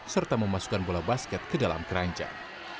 serta memasukkan bola basket ke dalam keranjang